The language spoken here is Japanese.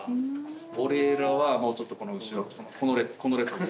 俺らはもうちょっとこの後ろこの列この列。